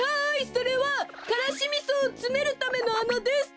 それはからしみそをつめるためのあなです！